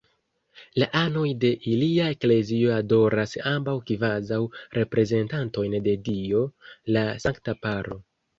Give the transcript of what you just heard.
La anoj de ilia eklezio adoras ambaŭ kvazaŭ reprezentantojn de Dio: la Sankta Paro.